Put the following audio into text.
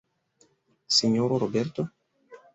Sinjoro Roberto?